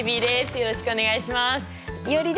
よろしくお願いします。